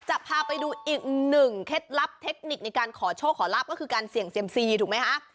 จะพาไปดูอีกหนึ่งเคล็ดลับเทคนิคในการขอโชคขอลาบก็คือการเสี่ยงเซียมซีถูกไหมคะ